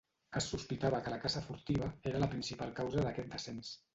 Es sospitava que la caça furtiva era la principal causa d'aquest descens.